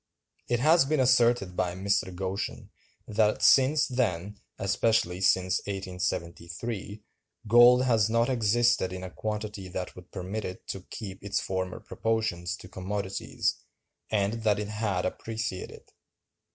It has been asserted by Mr. Goschen that since then, especially since 1873, gold has not existed in a quantity that would permit it to keep its former proportions to commodities, and that it had appreciated.